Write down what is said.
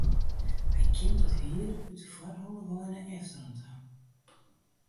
Hy kjimt it hier út de foarholle wei nei efteren ta.